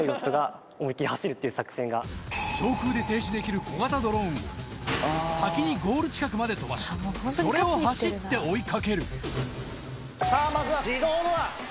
上空で停止できる小型ドローンを先にゴール近くまで飛ばしそれを走って追い掛けるさぁまずは自動ドア